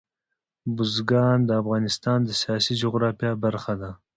بزګان د افغانستان د سیاسي جغرافیه برخه ده.